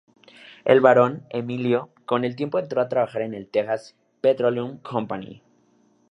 El varón, Emilio, con el tiempo entró a trabajar en la Texas Petroleum Company.